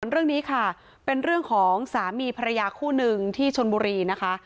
เรื่องนี้ค่ะเป็นเรื่องของสามีภรรยาคู่หนึ่งที่ชนบุรีนะคะ